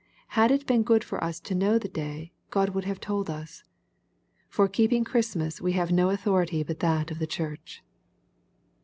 Had it been good for us to know the day, God would have told us. For keeping Christmas we have no authority but that of the church.